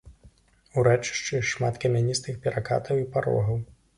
У рэчышчы шмат камяністых перакатаў і парогаў.